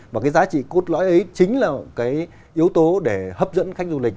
và cái giá trị cốt lõi ấy chính là cái yếu tố để hấp dẫn khách du lịch